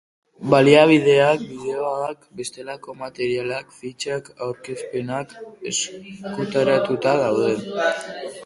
Baliabideak, bideoak, bestelako materialak, fitxak, aurkezpenak euskaratuta daude.